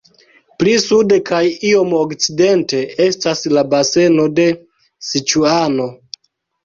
Pli sude kaj iom okcidente estas la baseno de Siĉuano.